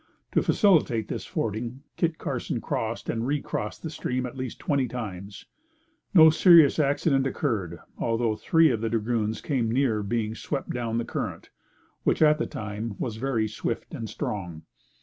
To facilitate this fording, Kit Carson crossed and recrossed the stream at least twenty times. No serious accident occurred, although three of the dragoons came near being swept down the current, which, at the time, was very swift and strong.